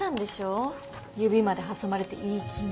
指まで挟まれていい気味。